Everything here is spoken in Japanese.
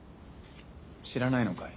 知らないのかい？